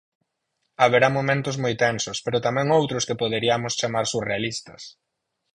Haberá momentos moi tensos, pero tamén outros que poderiamos chamar surrealistas...